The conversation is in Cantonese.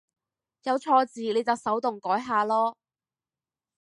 有錯字你就手動改下囉